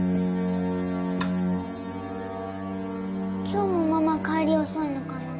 今日もママ帰り遅いのかな？